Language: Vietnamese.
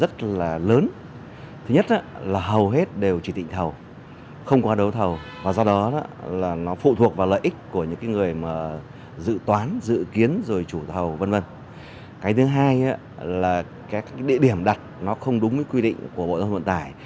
theo hình thức bot